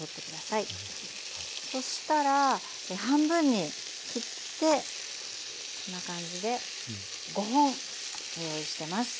そしたら半分に切ってこんな感じで５本用意してます。